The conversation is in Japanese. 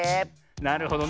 なるほどね。